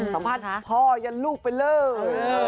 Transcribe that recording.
สัมภาษณ์พ่อยันลูกไปเลย